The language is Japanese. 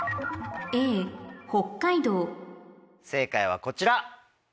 正解はこちら。